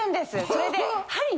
それで。